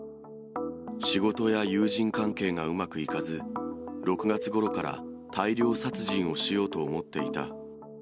仕事や友人関係がうまくいかず、６月ごろから大量殺人をしようと思っていた。